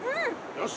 よし！